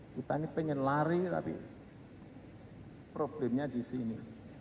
kita ini pengen lari tapi problemnya di sini